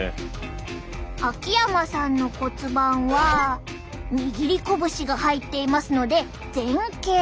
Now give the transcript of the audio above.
秋山さんの骨盤は握り拳が入っていますので前傾。